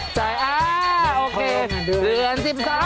โอเคเรือน๑๒